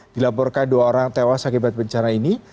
dilaporkan dua orang tewas akibat bencana ini